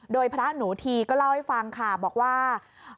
โดยพระหนูทีก็เล่าให้ฟังค่ะบอกว่า